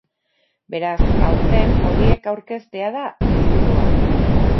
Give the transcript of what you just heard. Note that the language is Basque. Beraz, aurten horiek aurkeztea da helburua.